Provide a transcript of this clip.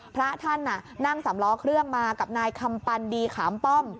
พระท่านนั่งสำล้อเครื่องมากับนายคำปันดีขามป้อม